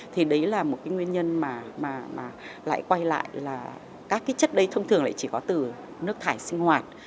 thì đấy là một nguyên nhân mà lại quay lại là các chất đấy thông thường chỉ có từ nước thải sinh hoạt